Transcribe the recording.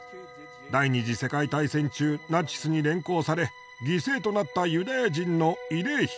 第二次世界大戦中ナチスに連行され犠牲となったユダヤ人の慰霊碑です。